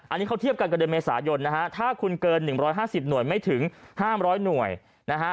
อันนี้เขาเทียบกันกับเดือนเมษายนนะฮะถ้าคุณเกิน๑๕๐หน่วยไม่ถึง๕๐๐หน่วยนะฮะ